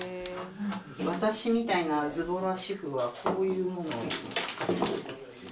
私みたいなズボラ主婦はこういうものを使っています。